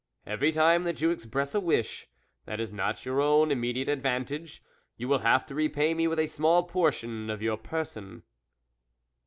Every time that you ex press a wish that is not to your own immediate advantage, you will have to re pay me with a small portion of your per son."